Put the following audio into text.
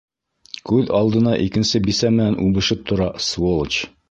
Күҙ алдында икенсе бисә менән үбешеп тора, сволочь!